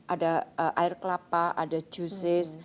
ada air kelapa ada juices